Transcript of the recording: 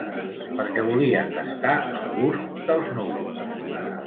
Perquè volia tastar el gust dels núvols.